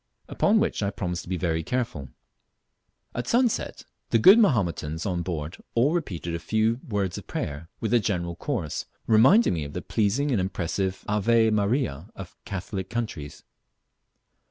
Upon which I promised to be very careful. At sunset the good Mahometans on board all repeated a few words of prayer with a general chorus, reminding me of the pleasing and impressive "Ave. Maria" of Catholic countries.